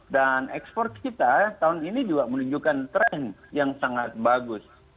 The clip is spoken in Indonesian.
dan ekspor kita tahun ini juga menunjukkan tren yang sangat bagus